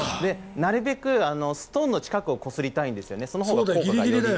なるべくストーンの近くをこすりたいんですよね。